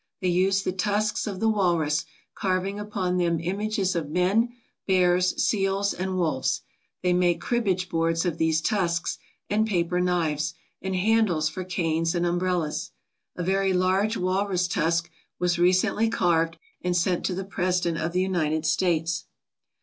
They use the tusks of the walrus, carving upon them images of men, bears, seals, and wolves. They make cribbage boards of these tusks, and paper knives, and handles for canes and umbrellas. A very large walrus tusk was recently carved and sent to the President of the United States.